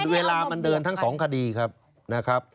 เวลามันเดินทั้ง๒คดีครับ